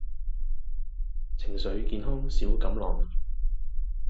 情緒健康小錦囊